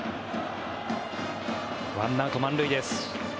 １アウト満塁です。